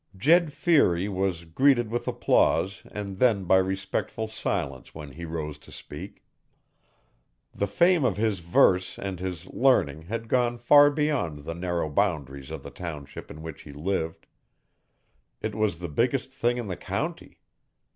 Jed Feary was greeted with applause and then by respectful silence when he rose to speak. The fame of his verse and his learning had gone far beyond the narrow boundaries of the township in which he lived. It was the biggest thing in the county.